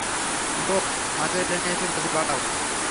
বোহ, মাঝের লেনে এসে গতি বাড়াও!